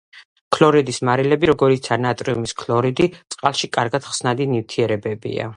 ქლორიდის მარილები, როგორიცაა ნატრიუმის ქლორიდი, წყალში კარგად ხსნადი ნივთიერებებია.